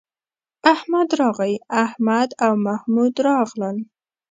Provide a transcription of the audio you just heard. احمد راغی، احمد او محمود راغلل